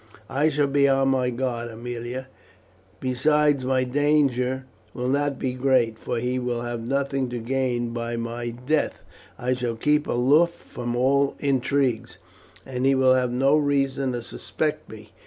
"I shall be on my guard, Aemilia; besides, my danger will not be great, for he will have nothing to gain by my death. I shall keep aloof from all intrigues, and he will have no reason to suspect me.